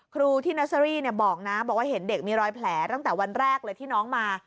ครูที่เนอร์เซอรี่บอกนะบอกว่าเห็นเด็กมีรอยแผลตั้งแต่วันแรกเลยที่น้องมา